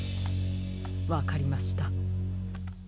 わかりました。